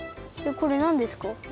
これなんですか？